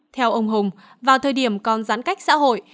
theo ông hùng vào thời điểm còn giãn cách xã hội